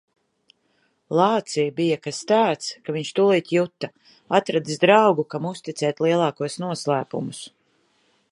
Lācī bija kas tāds, ka viņš tūlīt juta - atradis draugu, kam uzticēt lielākos noslēpumus.